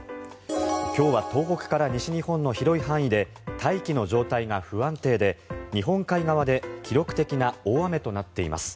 今日は東北から西日本の広い範囲で大気の状態が不安定で日本海側で記録的な大雨となっています。